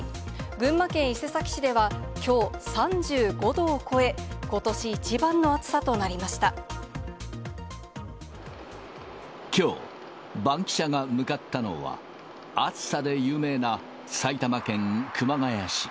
群馬県伊勢崎市ではきょう３５度を超え、きょう、バンキシャが向かったのは、暑さで有名な埼玉県熊谷市。